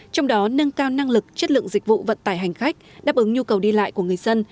trong đó nâng cao năng lực chất lượng dịch vụ vận tải hành khách đáp ứng nhu cầu đi lại của người dân